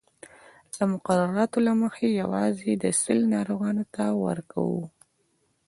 د مقرراتو له مخې یوازې د سِل ناروغانو ته ورکوو.